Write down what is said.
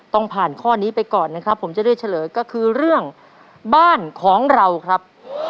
ต้องผ่านข้อนี้ไปก่อนนะครับผมจะเลือกเฉลยก็คือเรื่องบ้านของเราครับ